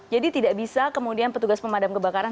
jadi tidak bisa kemudian petugas pemadam kebakaran